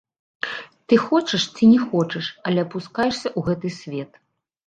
Ты хочаш ці не хочаш, але апускаешся ў гэты свет.